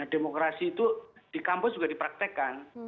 demokrasi itu di kampus juga dipraktekkan